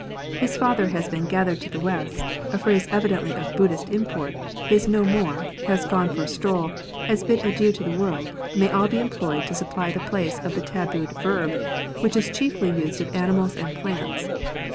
His father has been gathered to the west — a phrase evidently of Buddhistic import — is 7io more, has gone for a stroll, has hid adieu to the loorld, may all be employed to supply the place of the tabooed verb, which is chiefly used of animals and plants.